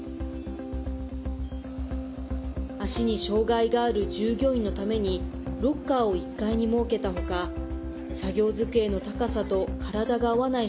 足に障害がある従業員のためにロッカーを１階に設けた他作業机の高さと体が合わない